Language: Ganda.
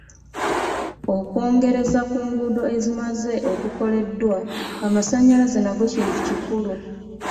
Okwongerza ku nguudo ezimaze okukoleddwa, amasannyalaze nago kintu kikulu.